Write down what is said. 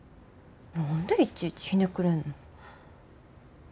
何でいちいちひねくれんの。